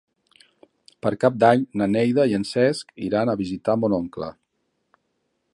Per Cap d'Any na Neida i en Cesc iran a visitar mon oncle.